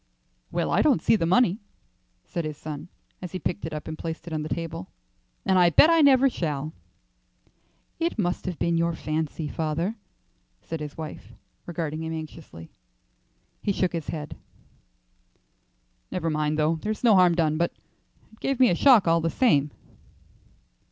"Well, I don't see the money," said his son as he picked it up and placed it on the table, "and I bet I never shall." "It must have been your fancy, father," said his wife, regarding him anxiously. He shook his head. "Never mind, though; there's no harm done, but it gave me a shock all the same."